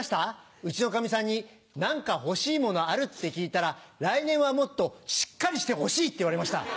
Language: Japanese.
うちのかみさんに、なんか欲しいものある？って聞いたら、来年はもっとしっかりしてほしいって言われました。